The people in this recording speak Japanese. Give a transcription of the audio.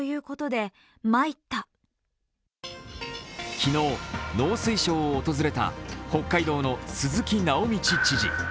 昨日、農水省を訪れた北海道の鈴木直道知事。